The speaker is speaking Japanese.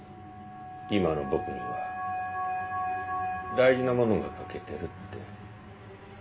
今の僕には大事なものが欠けてるって。